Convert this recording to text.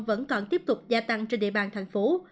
vẫn còn tiếp tục gia tăng trên địa bàn thành phố